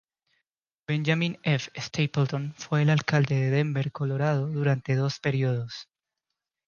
Benjamin F. Stapleton fue el alcalde de Denver, Colorado durante dos períodos.